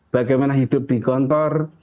bagaimana hidup di gontor